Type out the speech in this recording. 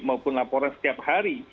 maupun laporan setiap hari